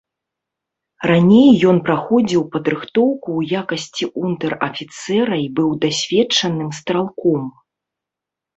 Раней ён праходзіў падрыхтоўку ў якасці унтэр-афіцэра і быў дасведчаным стралком.